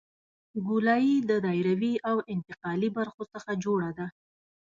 ګولایي د دایروي او انتقالي برخو څخه جوړه ده